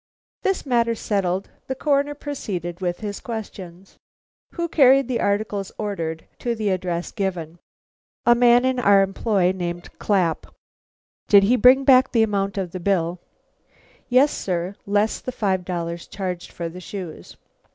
This matter settled, the Coroner proceeded with his questions. "Who carried the articles ordered, to the address given?" "A man in our employ, named Clapp." "Did he bring back the amount of the bill?" "Yes, sir; less the five dollars charged for the shoes."